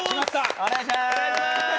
お願いします！